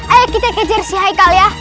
ayo kita kejar si haikal ya